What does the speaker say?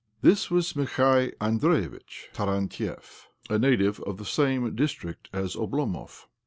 This was Mikhei Andreievitch Tarantiev, a native of the same district as Oblomov.